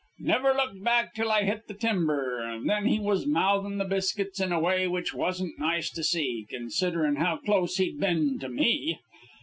"Never looked back till I hit the timber, and then he was mouthing the biscuits in a way which wasn't nice to see, considerin' how close he'd been to me.